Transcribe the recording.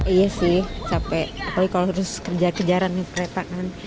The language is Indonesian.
iya sih capek apalagi kalau harus kerja kejaran nih kereta kan